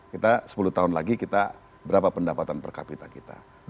kita sepuluh tahun lagi kita berapa pendapatan per kapita kita